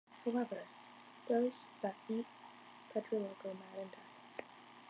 However, those that eat Pedrillo go mad and die.